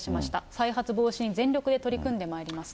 再発防止に全力で取り組んでまいりますと。